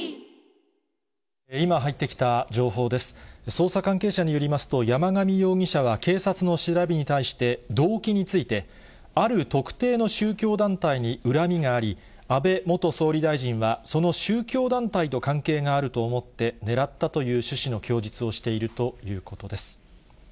捜査関係者によりますと、山上容疑者は警察の調べに対して、動機について、ある特定の宗教団体に恨みがあり、安倍元総理大臣はその宗教団体と関係があると思って狙ったという趣旨の供述をしているということです。